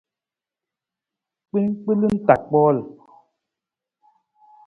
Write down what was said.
Kpinggbelang ta kpool.